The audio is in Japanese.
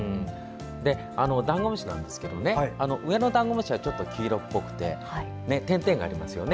ダンゴムシなんですけど上のダンゴムシはちょっと黄色っぽくて点々がありますよね。